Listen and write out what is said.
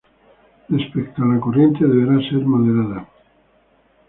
Respecto a la corriente, deberá ser moderada.